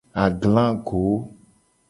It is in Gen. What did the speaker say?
Aglago.